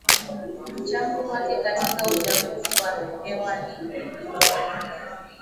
mchango wake katika uchafuzi wa hewa n